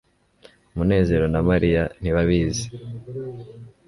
munezero na mariya ntibabizi